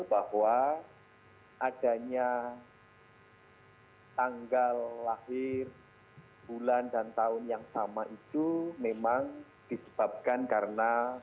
bahwa adanya tanggal lahir bulan dan tahun yang sama itu memang disebabkan karena